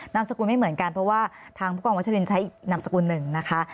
นามสกุลไม่เหมือนกันเพราะว่าทางผู้กองวัชลินใช้อีกนามสกุลหนึ่งนะคะ